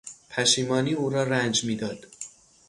پشیمانی او را رنج میداد.